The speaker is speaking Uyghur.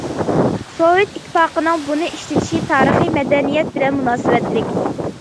سوۋېت ئىتتىپاقىنىڭ بۇنى ئىشلىتىشى تارىخىي مەدەنىيەت بىلەن مۇناسىۋەتلىك.